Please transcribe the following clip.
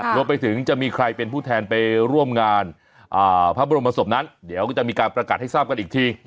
รวมไปถึงจะมีใครเป็นผู้แทนไปร่วมงานพระบรมศพนั้นเดี๋ยวก็จะมีการประกาศให้ทราบกันอีกที